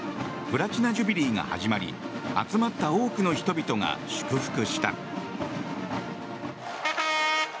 プラチナ・ジュビリーが始まり集まった多くの人々が祝福した。